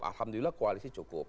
alhamdulillah koalisi cukup